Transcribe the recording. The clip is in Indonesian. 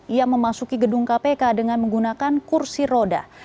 ia memasuki gedung kpk dengan menggunakan kursi roda